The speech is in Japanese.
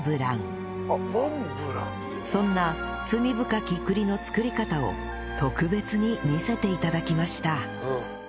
そんな罪深き栗の作り方を特別に見せて頂きました